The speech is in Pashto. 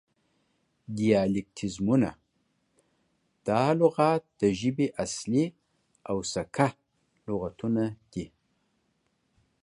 دیالیکتیزمونه: دا لغات د ژبې اصلي او سکه لغتونه دي